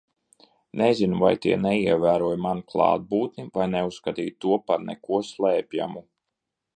Nezinu, vai tie neievēroja manu klātbūtni, vai neuzskatīja to par neko slēpjamu.